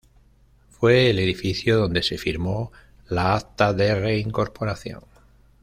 Fue el edificio donde se firmo la Acta de Reincorporación.